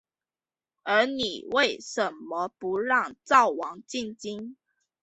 而你为甚么不让赵王进京？